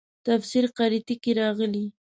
تفسیر قرطبي کې راغلي.